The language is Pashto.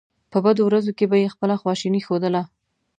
په بدو ورځو کې به یې خپله خواشیني ښودله.